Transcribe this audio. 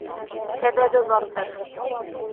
Сәбәбе барҙыр.